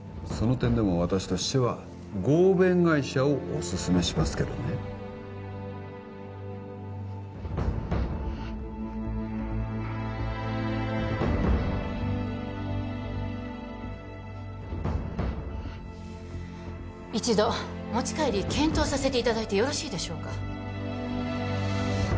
その点でも私としては合弁会社をお勧めしますけどね一度持ち帰り検討させていただいてよろしいでしょうか？